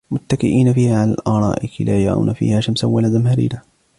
مُتَّكِئِينَ فِيهَا عَلَى الْأَرَائِكِ لَا يَرَوْنَ فِيهَا شَمْسًا وَلَا زَمْهَرِيرًا